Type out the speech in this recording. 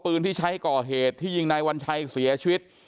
ปืนที่ใช้ก่อเหตุที่ยิงนายวัญชัยเสียชีวิต